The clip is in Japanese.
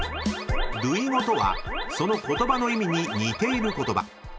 ［類語とはその言葉の意味に似ている言葉］